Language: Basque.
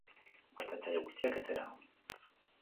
Parte hartzaile guztiak etxera.